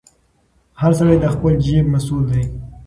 هر سړی د خپل جیب مسوول دی.